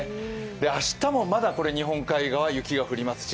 明日もまだ日本海側雪が降りますし